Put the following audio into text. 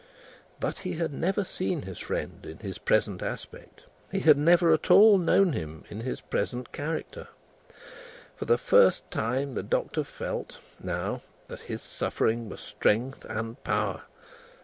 But, he had never seen his friend in his present aspect: he had never at all known him in his present character. For the first time the Doctor felt, now, that his suffering was strength and power.